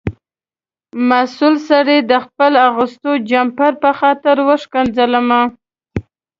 مسؤل سړي د خپل اغوستي جمپر په خاطر وښکنځلم.